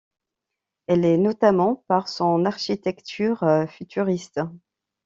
Elle est notamment par son architecture futuriste.